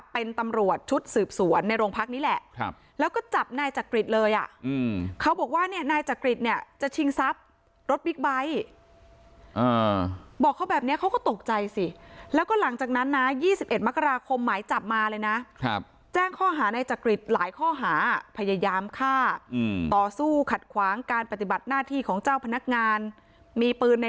เป็นตำรวจชุดสืบสวนในโรงพักนี้แหละแล้วก็จับนายจักริตเลยอ่ะเขาบอกว่าเนี่ยนายจักริตเนี่ยจะชิงทรัพย์รถบิ๊กไบท์บอกเขาแบบนี้เขาก็ตกใจสิแล้วก็หลังจากนั้นนะ๒๑มกราคมหมายจับมาเลยนะครับแจ้งข้อหาในจักริตหลายข้อหาพยายามฆ่าต่อสู้ขัดขวางการปฏิบัติหน้าที่ของเจ้าพนักงานมีปืนใน